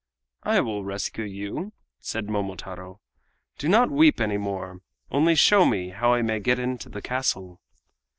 "I will rescue you," said Momotaro. "Do not weep any more, only show me how I may get into the castle."